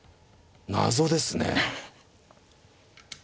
謎ですね。